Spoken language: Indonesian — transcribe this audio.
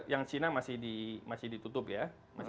yang cina masih ditutup ya